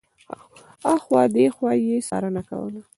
هخوا او دېخوا یې څارنه کوله.